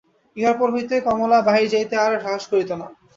ইহার পর হইতে কমলা বাহিরে যাইতে আর সাহস করিত না।